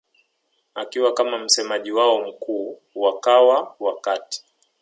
akiwa kama msemaji wao mkuu wakawa wakati